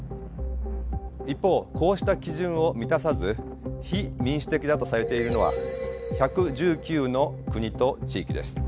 一方こうした基準を満たさず非民主的だとされているのは１１９の国と地域です。